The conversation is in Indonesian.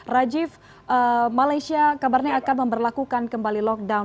rajif malaysia kabarnya akan memperlakukan kembali lockdown